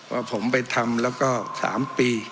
ว่าผมไปทำแล้วก็๓ปี